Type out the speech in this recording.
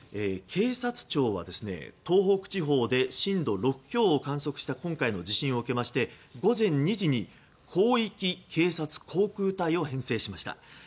警察庁は東北地方で震度６強を観測した今回の地震を受けまして午前２時に広域警察航空隊を編成しました。